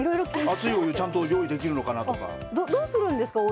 熱いお湯、ちゃんと用意できるのかなとか。